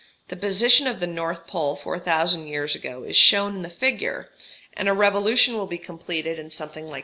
The position of the north pole 4000 years ago is shown in the figure; and a revolution will be completed in something like 26,000 years.